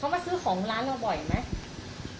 มาซื้อของร้านเราบ่อยไหม